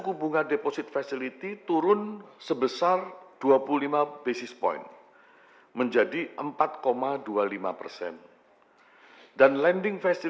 akan menanggung pertumbuhan ini dengan kebijakan yang telah diperlukan oleh bank indonesia